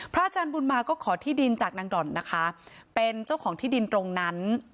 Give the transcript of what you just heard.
อาจารย์บุญมาก็ขอที่ดินจากนางด่อนนะคะเป็นเจ้าของที่ดินตรงนั้น